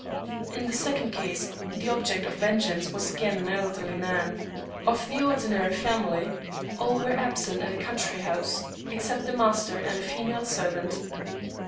In the second case, the object of vengeance was again an elderly man. Of the ordinary family, all were absent at a country house, except the master and a female servant.